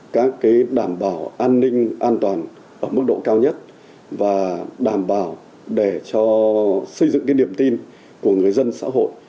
các đảm bảo an ninh an toàn ở mức độ cao nhất và đảm bảo để xây dựng điểm tin của người dân xã hội